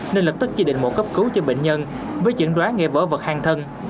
nên lập tức chỉ định mổ cấp cứu cho bệnh nhân với chứng đoán nghệ vỡ vật hang thân